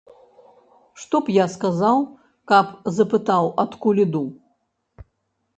Што б я сказаў, каб запытаў, адкуль іду?